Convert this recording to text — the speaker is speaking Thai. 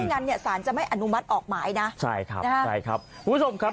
ไม่งั้นเนี้ยศาลจะไม่อนุมัติออกหมายนะใช่ครับใช่ครับวุฒมครับ